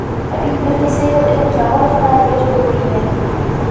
Ә бит бер нисә йыл элек ябай ғына ер кеүек ине.